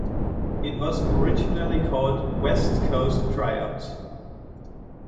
It was originally called "West Coast Tryouts".